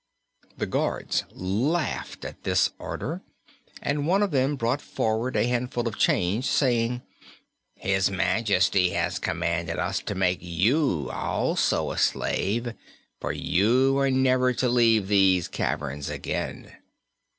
The guards laughed at this order, and one of them brought forward a handful of chains, saying: "His Majesty has commanded us to make you, also, a slave, for you are never to leave these caverns again."